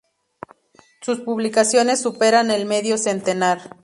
Sus publicaciones superan el medio centenar.